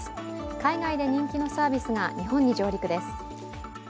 海外で人気のサービスが日本に上陸です。